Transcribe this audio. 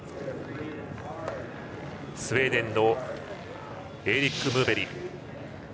スウェーデンのエーリック・ムーベリ。